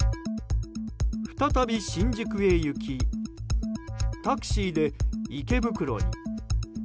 再び、新宿へ行きタクシーで池袋に。